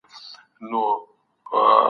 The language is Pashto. ایا ستا په فکر کي د هیلې همېشهپاته والی راځي؟